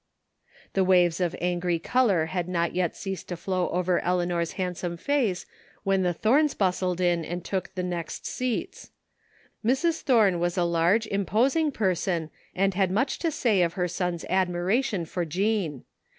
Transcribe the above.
The waves of angry color had not yet ceased to flow over Eleanor's handsome face when the Tihomes bustled in and took the next seats. Mrs. Thome was a large, imposing person and had much to say of her son's admiration for Jean.